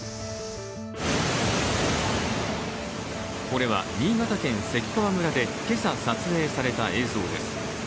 これは、新潟県関川村で今朝、撮影された映像です。